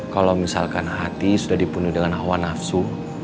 kalau misalkan hati sudah dipenuhi dengan hawa nafsu